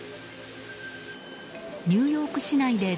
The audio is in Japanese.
ニューヨーク市内で１８